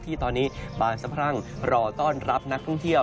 ที่ตอนนี้บานสะพรั่งรอต้อนรับนักท่องเที่ยว